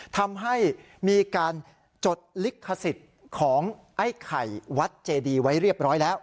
ทำให้มีการจดลิขสิทธิ์ของไอ้ไข่วัดเจดีไว้เรียบร้อยแล้ว